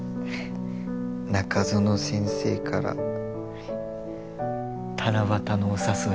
中園先生から七夕のお誘い。